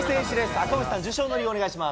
赤星さん、受賞の理由お願いしま